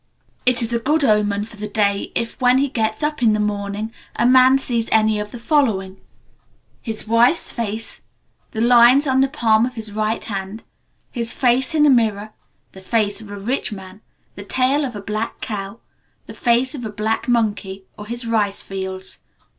It is a good omen for the day if, when he gets up in the morning, a man sees any of the following: his wife's face, the lines on the palm of his right hand, his face in a mirror, the face of a rich man, the tail of a black cow, the face of a black monkey, or his rice fields.